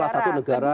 salah satu negara